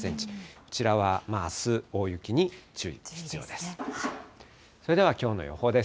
こちらはあす、大雪に注意必要です。